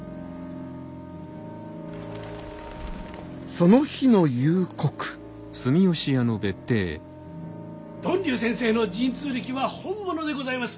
その日の夕刻呑龍先生の神通力は本物でございます！